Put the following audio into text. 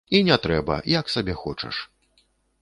І не трэба, як сабе хочаш.